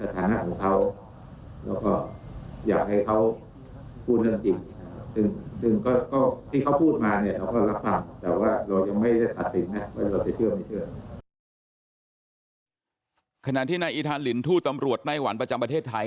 แต่ก็พยายามพูดคุยให้เขาเข้าใจเหตุผล